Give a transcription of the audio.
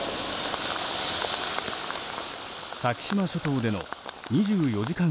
先島諸島での２４時間